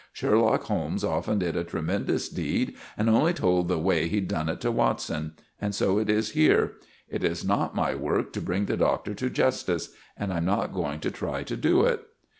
Sherlock Holmes often did a tremendous deed and only told the way he'd done it to Watson. And so it is here. It is not my work to bring the Doctor to justice, and I'm not going to try to do it."